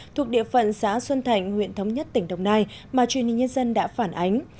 thuộc địa phận xã xuân thạnh huyện thống nhất tỉnh đồng nai mà truyền hình nhân dân đã phản ánh